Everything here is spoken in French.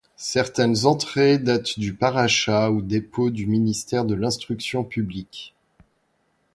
Certaines entrées datent du par achats ou dépôts du ministère de l'Instruction publique.